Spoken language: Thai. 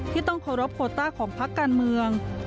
ที่ต้องขอรับโคตรต้าของพักการเมือง